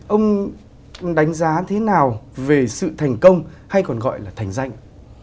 ông đánh giá thế nào về sự thành công hay còn gọi là thành danh